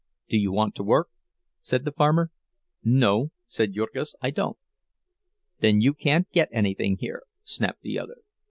"Do you want to work?" said the farmer. "No," said Jurgis. "I don't." "Then you can't get anything here," snapped the other.